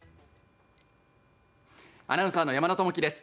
アナウンサーの山田朋生です。